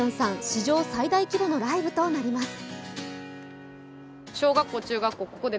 史上最大規模のライブとなります。